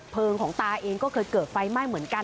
ของตาเองก็เคยเกิดไฟไหม้เหมือนกัน